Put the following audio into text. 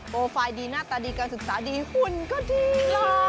โปรไฟล์ดีหน้าตาดีการศึกษาดีหุ่นก็ดีหล่อ